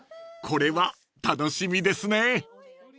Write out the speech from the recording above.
［これは楽しみですね］